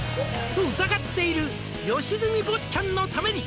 「と疑っている良純坊ちゃんのために」